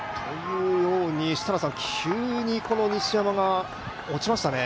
急に西山が落ちましたね。